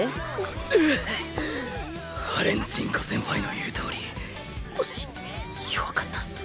ハレンチンコ先輩の言うとおり押し弱かったっす。